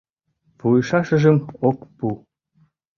Пуышашыжым ок пу.